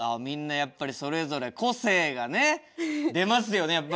みんなやっぱりそれぞれ個性がね出ますよね